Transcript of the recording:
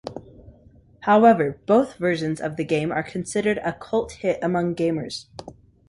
However, both versions of the game are considered a cult hit among gamers.